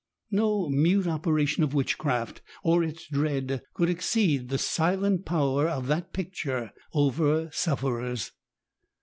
No mute operation of witchcraf);, or its dread, could exceed the silent power of that picture over sufferers.